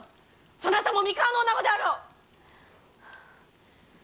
そなたも三河のおなごであろう！